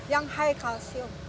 yang high kalsium